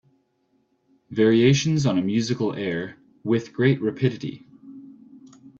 Variations on a musical air With great rapidity